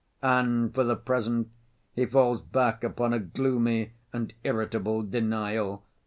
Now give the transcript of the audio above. And for the present he falls back upon a gloomy and irritable denial.